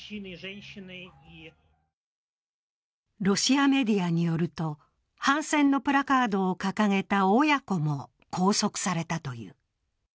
ロシアメディアによると、反戦のプラカードを掲げた親子も拘束されたという。